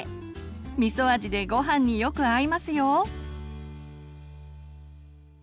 みそ味でごはんによく合いますよ。